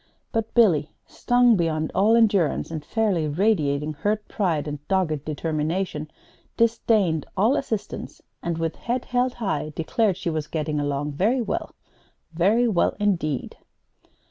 But Billy, stung beyond all endurance, and fairly radiating hurt pride and dogged determination, disdained all assistance, and, with head held high, declared she was getting along very well, very well indeed!